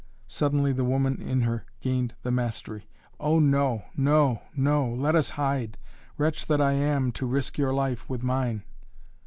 Suddenly the woman in her gained the mastery. "Oh no! No! No! Let us hide! Wretch that I am, to risk your life with mine."